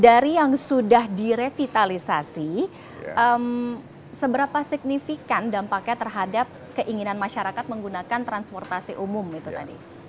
dari yang sudah direvitalisasi seberapa signifikan dampaknya terhadap keinginan masyarakat menggunakan transportasi umum itu tadi